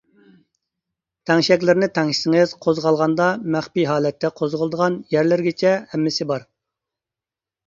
تەڭشەكلىرىنى تەڭشىسىڭىز قوزغالغاندا مەخپىي ھالەتتە قوزغىلىدىغان يەرلىرىگىچە ھەممىسى بار.